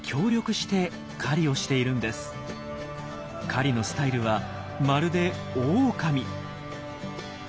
狩りのスタイルはまるでオオカミ。